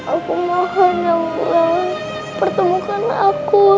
aku mohon ya allah pertemukan aku